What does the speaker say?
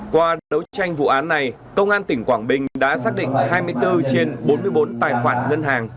qua đấu tranh vụ án này công an tỉnh quảng bình đã xác định hai mươi bốn trên bốn mươi bốn tài khoản ngân hàng